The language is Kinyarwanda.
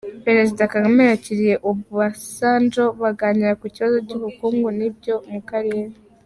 Perezida Kagame yakiriye Obasanjo baganira ku bibazo by’ubukungu n’ibyo mu Karere